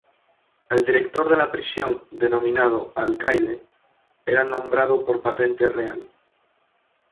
El director de la prisión, denominado "alcaide", era nombrado por patente real.